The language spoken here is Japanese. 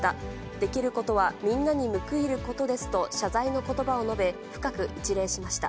できることはみんなに報いることですと謝罪のことばを述べ、深く一礼しました。